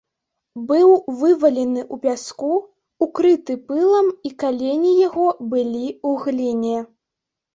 Быў вывалены ў пяску, укрыты пылам, і калені яго былі ў гліне.